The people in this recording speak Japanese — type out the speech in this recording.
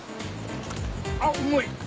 あっ重い！